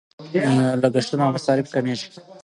لګښتونه او مصارف کمیږي.